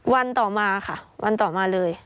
วันต่อมาค่ะวันต่อมาเลย